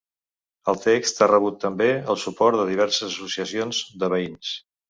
El text ha rebut també el suport de diverses associacions de veïns.